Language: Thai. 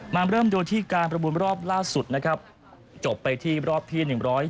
มาเริ่มโดยที่การประมูลรอบล่าสุดนะครับจบไปที่รอบที่๑๗